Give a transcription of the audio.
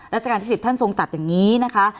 ราชการที่๑๐ท่านทรงตัดอย่างนี้นะคะ